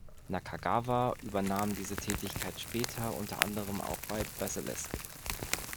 Nakagawa übernahm diese Tätigkeit später unter anderem auch bei "Basilisk".